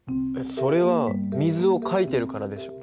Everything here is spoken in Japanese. それは水をかいてるからでしょ。